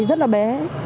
thì rất là bé